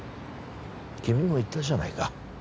君も言ったじゃないか